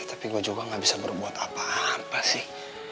tapi gue juga gak bisa berbuat apa apa sih